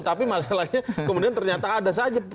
tapi masalahnya kemudian ternyata ada saja